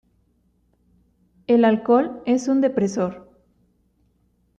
El alcohol es un depresor.